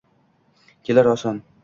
kelar oson